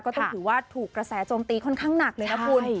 ก็ต้องถือว่าถูกกระแสโจมตีค่อนข้างหนักเลยนะคุณ